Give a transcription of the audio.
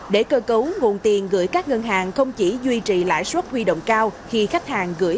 để cơ cấu nguồn tiền gửi các ngân hàng không chỉ duy trì lãi suất huy động cao khi khách hàng gửi